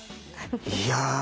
いや。